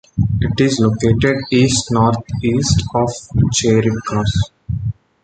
It is located east north-east of Charing Cross.